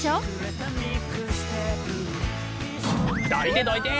どいてどいて！